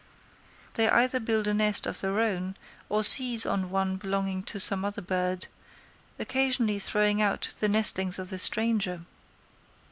They either build a nest of their own or seize on one belonging to some other bird, occasionally throwing out the nestlings of the stranger.